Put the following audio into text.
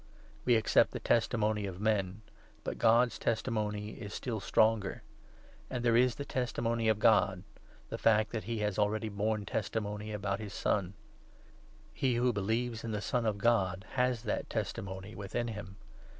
We 9 accept the testimony of men, but God's testimony is still stronger ; and there is the testimony of God — the fact that he has already borne testimony about his Son. He who believes 10 in the Son of God has that testimony within him.